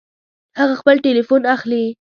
هغه خپل ټيليفون اخلي